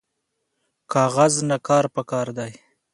کاغذ نه کار پکار دی